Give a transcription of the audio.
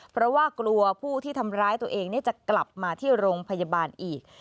เพราะว่ากลัวผู้ที่ทำร้ายตัวเองจะกลับมาที่โรงพยาบาลอีก